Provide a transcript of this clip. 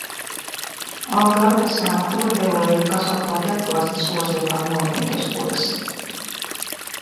Algarvessa nämä urheilulajit kasvattavat jatkuvasti suosiotaan nuorten keskuudessa.